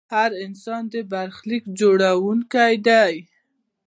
هر انسان د برخلیک جوړونکی دی.